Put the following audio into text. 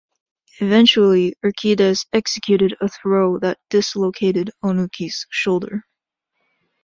Eventually, Urquidez executed a throw that dislocated Onuki's shoulder.